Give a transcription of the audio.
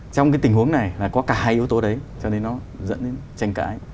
trong cái tình huống này là có cả hai yếu tố đấy cho nên nó dẫn đến tranh cãi